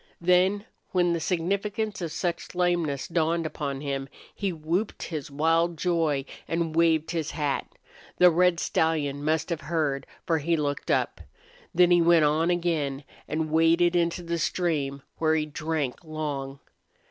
Then, when the significance of such lameness dawned upon him he whooped his wild joy and waved his hat. The red stallion must have heard, for he looked up. Then he went on again and waded into the stream, where he drank long.